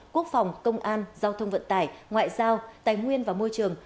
quốc phòng công an giao thông vận tải ngoại giao tài nguyên và môi trường